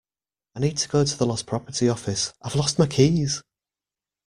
I need to go to the lost property office. I’ve lost my keys